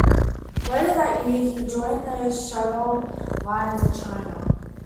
Later that year, he joined the Shandong Lions of China.